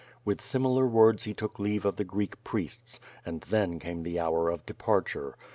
With similar words he took leave of the Greek priests, and then came the hour of departure.